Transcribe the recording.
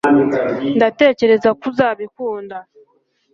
ndatekereza ko uzabikunda